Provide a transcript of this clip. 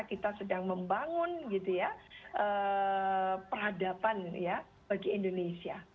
kita sedang membangun gitu ya peradaban ya bagi indonesia